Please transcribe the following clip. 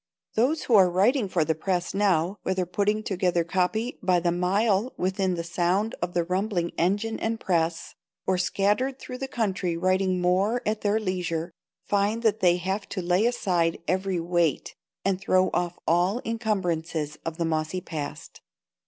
Those who are writing for the press now, whether putting together copy by the mile within the sound of the rumbling engine and press, or scattered through the country writing more at their leisure, find that they have to lay aside every weight and throw off all the incumbrances of the mossy past.